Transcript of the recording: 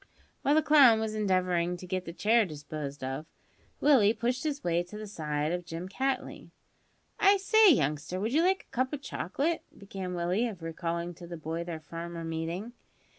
While the clown was endeavouring to get the chair disposed of, Willie pushed his way to the side of Jim Cattley. "I say, youngster, would you like a cup o' chocolate?" began Willie by way of recalling to the boy their former meeting.